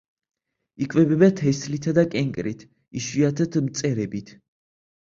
იკვებება თესლითა და კენკრით, იშვიათად მწერებით.